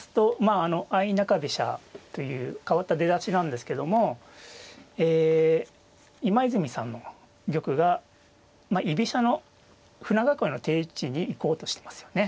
あの相中飛車という変わった出だしなんですけどもえ今泉さんの玉が居飛車の舟囲いの定位置に行こうとしてますよね。